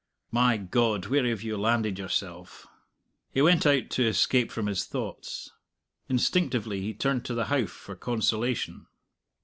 My God, where have you landed yourself?" He went out to escape from his thoughts. Instinctively he turned to the Howff for consolation.